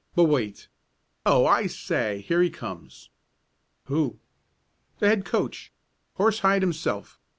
But wait. Oh, I say, here he comes!" "Who?" "The head coach Horsehide himself.